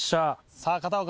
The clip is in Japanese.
さぁ片岡